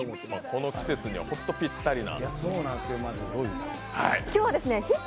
この季節には本当にぴったりな。